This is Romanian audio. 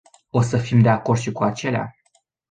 O să fim de acord și cu acelea?